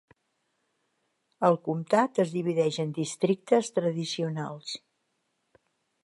El comtat es divideix en districtes tradicionals.